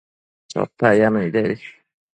Chotac yacno nidebi